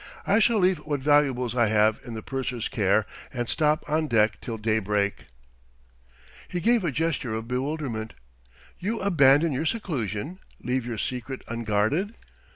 I shall leave what valuables I have in the purser's care and stop on deck till daybreak." He gave a gesture of bewilderment. "You abandon your seclusion leave your secret unguarded?"